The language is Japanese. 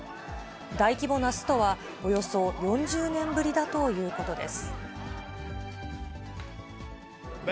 大規模なストは、およそ４０年ぶりだということです。